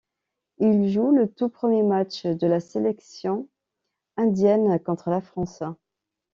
Il joue le tout premier match de la sélection indienne, contre la France.